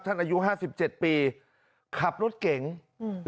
อายุห้าสิบเจ็ดปีขับรถเก๋งอืม